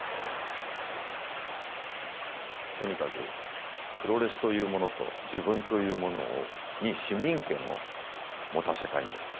とにかくプロレスというものと自分というものに市民権を持たせたいんだと。